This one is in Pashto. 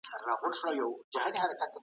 پښتو ژبه په مینه او اخلاص سره ولوله.